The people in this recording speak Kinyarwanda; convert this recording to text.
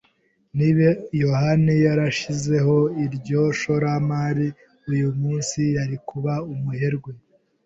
Niba yohani yarashizeho iryo shoramari, uyu munsi yari kuba umuherwe.